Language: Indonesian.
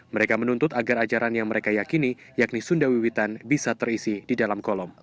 mereka menuntut agar ajaran yang mereka yakini yakni sunda wiwitan bisa terisi di dalam kolom